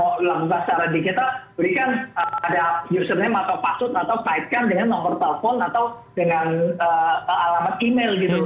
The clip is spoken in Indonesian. berikan ada username atau password atau kaitkan dengan nomor telepon atau dengan alamat email